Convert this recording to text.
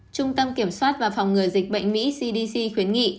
trung tâm kiểm soát và phòng ngừa dịch bệnh mỹ cdc khuyến nghị